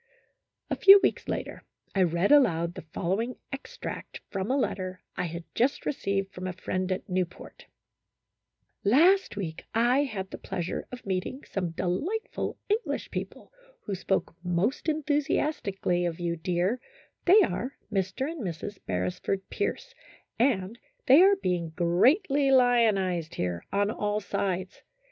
A few weeks later, I read aloud the following ex tract from a letter I had just received from a friend at Newport :" Last week I had the pleasure of meeting some delightful English people, who spoke most enthusiastically of you, dear; they are Mr. and Mrs. Beresford Pierce, and they are being greatly lionized here, on all sides.